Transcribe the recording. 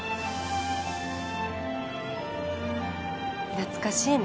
懐かしいね。